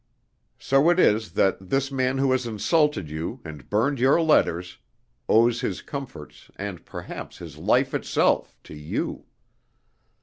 So it is that this man who has insulted you, and burned your letters, owes his comforts and perhaps his life itself, to you.